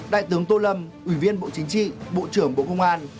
đại tướng tô lâm ủy viên bộ chính trị bộ trưởng bộ công an